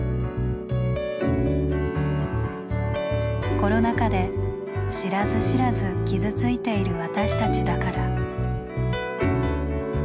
コロナ禍で知らず知らず傷ついている私たちだから。